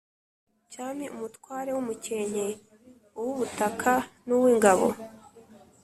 cyami Umutware w’umukenke uwubutaka nuw’ingabo